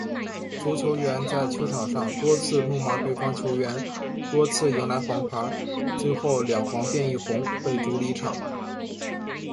足球员在球场上多次怒骂对方球员，多次迎来黄牌，最后两黄变一红，被逐离场。